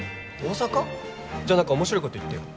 じゃあ何か面白いこと言ってよ。